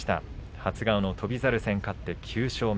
初顔の翔猿戦勝ってきょう９勝目。